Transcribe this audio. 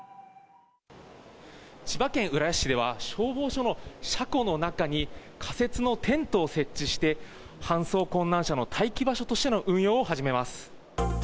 千葉県浦安市では、消防署の車庫の中に仮設のテントを設置して、搬送困難者の待機場所としての運用を始めます。